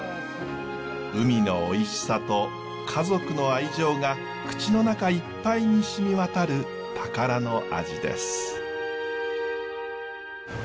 海のおいしさと家族の愛情が口の中いっぱいにしみ渡る宝の味です。